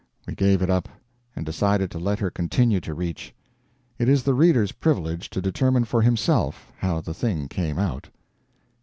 We gave it up, and decided to let her continue to reach. It is the reader's privilege to determine for himself how the thing came out.